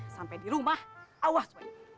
sampai di rumah awas